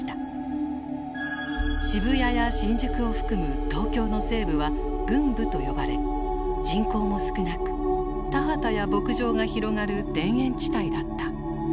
渋谷や新宿を含む東京の西部は郡部と呼ばれ人口も少なく田畑や牧場が広がる田園地帯だった。